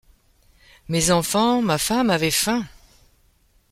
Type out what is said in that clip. Mes enfants, ma femme avaient faim !